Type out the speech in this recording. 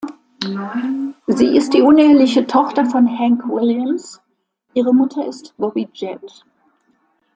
Sie ist die uneheliche Tochter von Hank Williams, ihre Mutter ist Bobbie Jett.